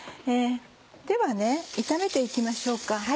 では炒めて行きましょうか。